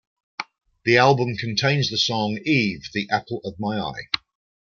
The album contains the song, "Eve, the Apple of My Eye".